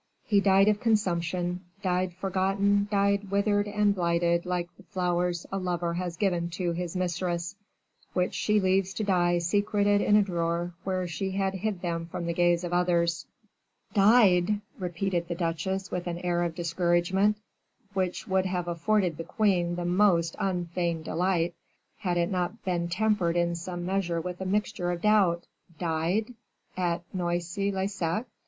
"He died of consumption, died forgotten, died withered and blighted like the flowers a lover has given to his mistress, which she leaves to die secreted in a drawer where she had hid them from the gaze of others." "Died!" repeated the duchesse with an air of discouragement, which would have afforded the queen the most unfeigned delight, had it not been tempered in some measure with a mixture of doubt "Died at Noisy le Sec?"